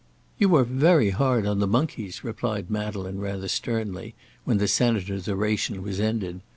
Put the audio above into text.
"You are very hard on the monkeys," replied Madeleine, rather sternly, when the Senator's oration was ended.